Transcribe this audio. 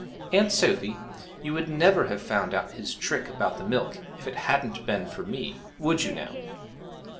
'Aunt Sophy, you would never have found out his trick about the milk if it hadn't been for me would you now?'